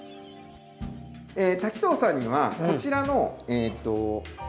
滝藤さんにはこちらのえと。